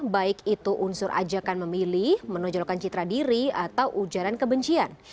baik itu unsur ajakan memilih menonjolkan citra diri atau ujaran kebencian